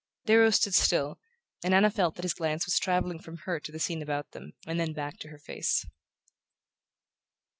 Darrow stood still, and Anna felt that his glance was travelling from her to the scene about them and then back to her face.